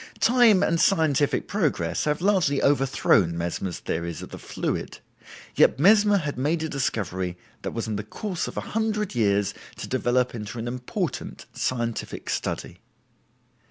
Time and scientific progress have largely overthrown Mesmer's theories of the fluid; yet Mesmer had made a discovery that was in the course of a hundred years to develop into an important scientific study.